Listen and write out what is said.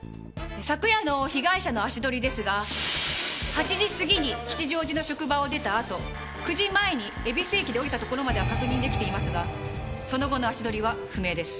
昨夜の被害者の足取りですが８時過ぎに吉祥寺の職場を出たあと９時前に恵比寿駅で降りたところまでは確認できていますがその後の足取りは不明です。